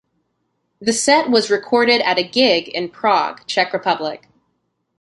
The set was recorded at a gig in Prague, Czech Republic.